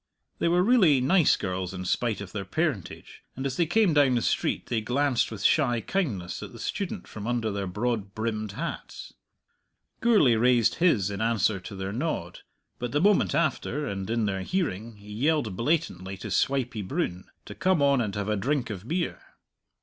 They were really nice girls, in spite of their parentage, and as they came down the street they glanced with shy kindness at the student from under their broad brimmed hats. Gourlay raised his in answer to their nod. But the moment after, and in their hearing, he yelled blatantly to Swipey Broon to come on and have a drink of beer.